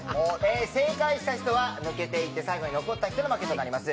正解した人は抜けていって最後に残った人が負けになります。